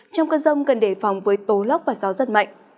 trong cơn rông cần để phòng với tố lốc và gió giật mạnh